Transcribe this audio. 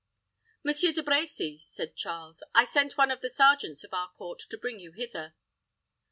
"Monsieur De Brecy," said Charles, "I sent one of the sergeants of our court to bring you hither."